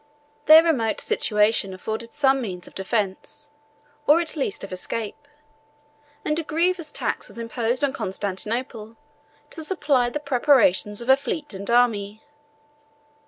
Their remote situation afforded some means of defence, or at least of escape; and a grievous tax was imposed on Constantinople, to supply the preparations of a fleet and army.